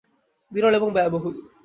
বিরল এবং ব্যয়বহুল।